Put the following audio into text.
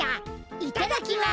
いただきます。